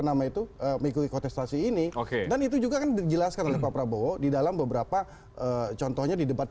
nama itu mengikuti kontestasi ini oke dan itu juga kan dijelaskan oleh pak prabowo di dalam beberapa contohnya di debat